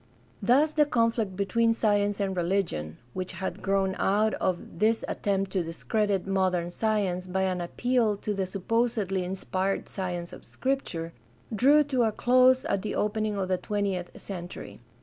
— Thus the conflict between science and religion, which had grown out of this attempt to discredit modern science by an appeal to the supposedly inspired science of Scripture, drew to a close at the opening of the twentieth century.